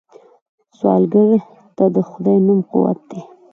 سوالګر ته د خدای نوم قوت دی